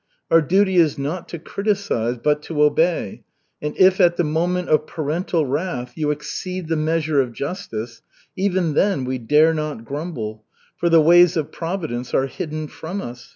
Our duty is not to criticise, but to obey. And if at the moment of parental wrath you exceed the measure of justice, even then we dare not grumble, for the ways of Providence are hidden from us.